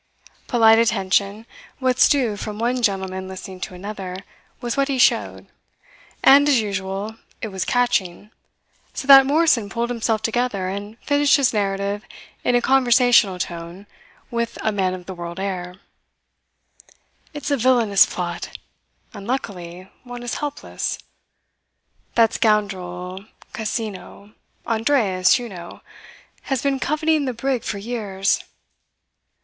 Polite attention, what's due from one gentleman listening to another, was what he showed; and, as usual, it was catching; so that Morrison pulled himself together and finished his narrative in a conversational tone, with a man of the world air. "It's a villainous plot. Unluckily, one is helpless. That scoundrel Cousinho Andreas, you know has been coveting the brig for years.